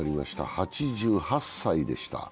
８８歳でした。